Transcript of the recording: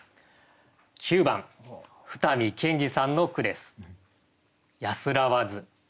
９番二見謙治さんの句です。